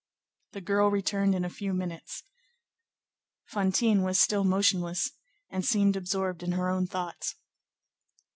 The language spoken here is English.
The girl returned in a few minutes. Fantine was still motionless and seemed absorbed in her own thoughts.